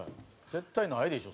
絶対ないでしょ。